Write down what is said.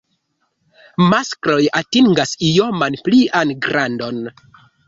Maskloj atingas ioman plian grandon.